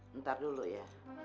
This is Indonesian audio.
bentar dulu ya